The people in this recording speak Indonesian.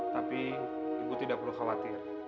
tapi ibu tidak perlu khawatir